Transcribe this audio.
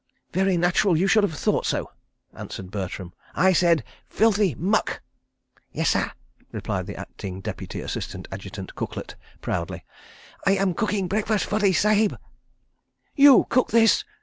"Very natural you should have thought so," answered Bertram. "I said Filthy Muck." "Yessir," replied the acting deputy assistant adjutant cooklet, proudly, "I am cooking breakfast for the Sahib." "You cooked this?"